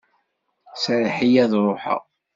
Serreḥ-iyi ad ruḥeɣ!